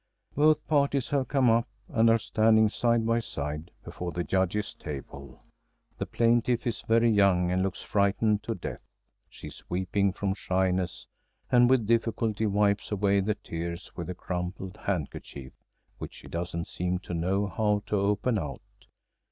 Both parties have come up and are standing, side by side, before the Judges' table. The plaintiff is very young and looks frightened to death. She is weeping from shyness and with difficulty wipes away the tears with a crumpled handkerchief, which she doesn't seem to know how to open out.